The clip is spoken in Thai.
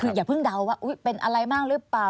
คืออย่าเพิ่งเดาว่าเป็นอะไรมากหรือเปล่า